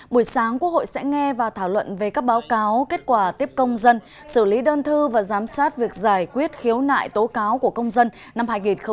buổi sáng quốc hội sẽ nghe và thảo luận về các báo cáo kết quả tiếp công dân xử lý đơn thư và giám sát việc giải quyết khiếu nại tố cáo của công dân năm hai nghìn một mươi chín